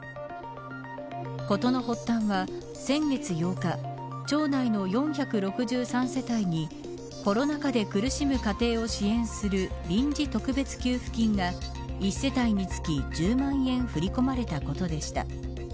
事の発端は先月８日町内の４６３世帯にコロナ禍で苦しむ家庭を支援する臨時特別給付金が１世帯につき１０万円振り込まれたことでした。